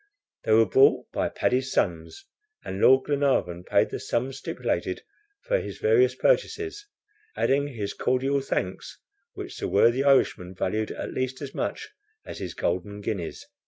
They were brought by Paddy's sons, and Lord Glenarvan paid the sum stipulated for his various purchases, adding his cordial thanks, which the worthy Irishman valued at least as much as his golden guineas.